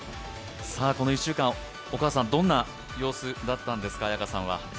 この１週間、お母さん、彩花さんはどんな様子だったんですか？